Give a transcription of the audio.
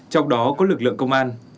trong đó có lực lượng công an